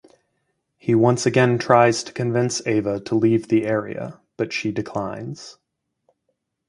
He once again tries to convince Ava to leave the area but she declines.